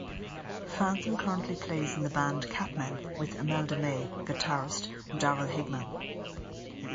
Phantom currently plays in the band Kat Men with Imelda May guitarist Darrel Higham.